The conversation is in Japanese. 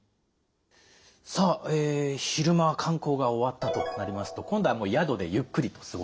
さあ昼間観光が終わったとなりますと今度はもう宿でゆっくりと過ごすということですね。